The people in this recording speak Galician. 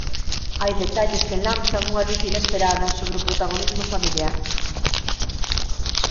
Hai detalles que lanzan unha luz inesperada sobre o protagonismo familiar.